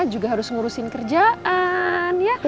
juga harus ngurusin kerjaan